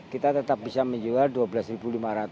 kita tetap bisa menjual rp dua belas lima ratus